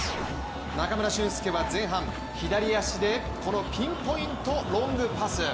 中村俊輔は前半、左足でこのピンポイントロングパス。